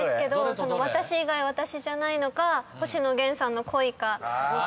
『私以外私じゃないの』か星野源さんの『恋』か。